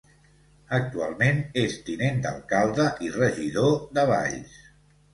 Actualment és tinent d'alcalde i regidor de Valls.